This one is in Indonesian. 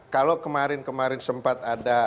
kalau kemarin kemarin sempat ada